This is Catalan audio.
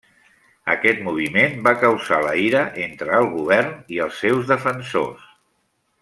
Aquest moviment va causar la ira entre el govern i els seus defensors.